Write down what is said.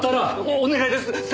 お願いです先生！